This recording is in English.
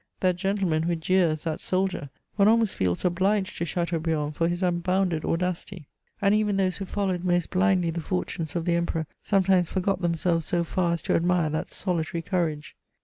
that gentleman who jeers that soldier !— one almost feels obliged to Chateaubriand for his unbounded audacity ; and even those who followed most blindly the fortunes of the Emperor sometimes forgot them selves so far as to admire that solitary courage.